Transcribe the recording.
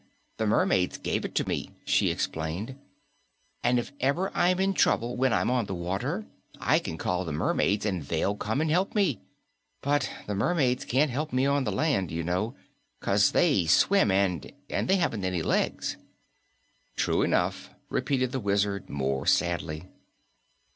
The Mermaids gave it to me," she explained, "and if ever I'm in trouble when I'm on the water, I can call the Mermaids and they'll come and help me. But the Mermaids can't help me on the land, you know, 'cause they swim, and and they haven't any legs." "True enough," repeated the Wizard, more sadly.